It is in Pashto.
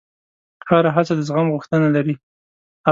هره هڅه د زغم غوښتنه لري.